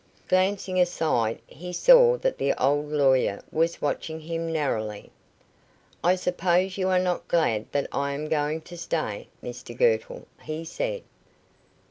Glancing aside, he saw that the old lawyer was watching him narrowly. "I suppose you are not glad that I am going to stay, Mr Girtle," he said.